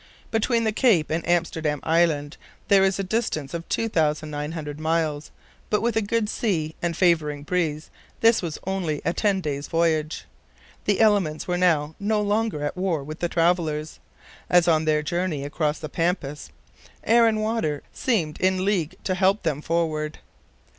Between the Cape and Amsterdam Island there is a distance of 2,900 miles, but with a good sea and favoring breeze, this was only a ten day's voyage. The elements were now no longer at war with the travelers, as on their journey across the Pampas air and water seemed in league to help them forward.